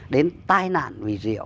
đến tai nạn vì rượu